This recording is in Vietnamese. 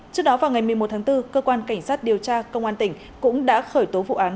trước đó vào ngày một mươi một tháng bốn cơ quan cảnh sát điều tra công an tỉnh cũng đã khởi tố vụ án